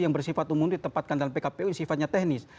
yang bersifat umum ditempatkan dalam pkpu yang sifatnya teknis